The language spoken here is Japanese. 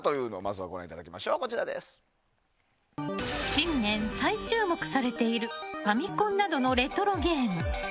近年、再注目されているファミコンなどレトロゲーム。